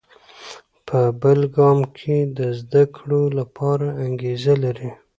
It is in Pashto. په بل ګام کې د زده کړو لپاره انګېزه لري.